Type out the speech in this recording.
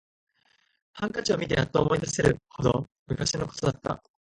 ハンカチを見てやっと思い出せるほど昔のことだった